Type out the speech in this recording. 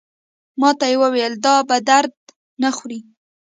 ماته یې وویل دا په درد نه خوري.